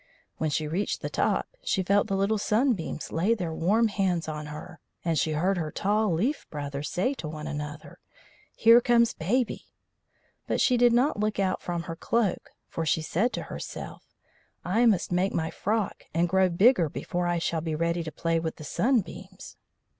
When she reached the top she felt the little sunbeams lay their warm hands on her, and she heard her tall leaf brothers say to one another: "Here comes Baby." But she did not look out from her cloak, for she said to herself: "I must make my frock and grow bigger before I shall be ready to play with the sunbeams."